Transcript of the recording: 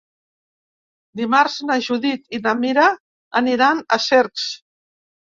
Dimarts na Judit i na Mira aniran a Cercs.